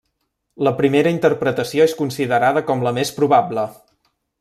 La primera interpretació és considerada com la més probable.